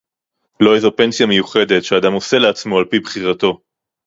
לא איזו פנסיה מיוחדת שאדם עושה לעצמו על-פי בחירתו